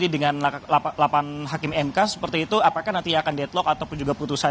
dengan delapan hakim mk seperti itu apakah nanti akan deadlock ataupun juga putusan